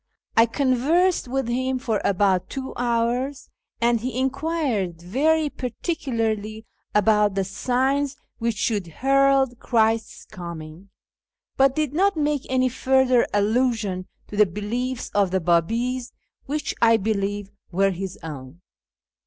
I conversed with him for about two hours, and he enquired very particularly about the signs which should herald Christ's coming, but did not make any further allusion to the beliefs of the Biibis, which, I believe, were his own.